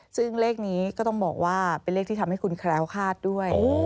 ซึ่งเลขนี้ก็ต้องบอกว่าเป็นเลขที่ทำให้คุณแคล้วคาดด้วย